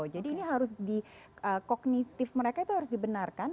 jadi ini harus di kognitif mereka itu harus dibenarkan